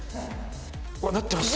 わっなってます。